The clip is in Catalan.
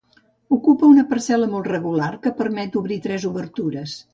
Ocupa una parcel·la molt regular que permet obrir tres obertures.